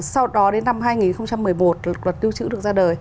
sau đó đến năm hai nghìn một mươi một luật tiêu chữ được ra đời